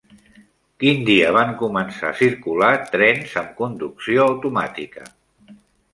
Quin dia van començar a circular trens amb conducció automàtica?